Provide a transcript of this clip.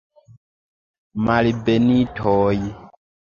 Malbenitoj!